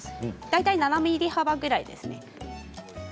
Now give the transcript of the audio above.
大体７ｍｍ幅ぐらいですね。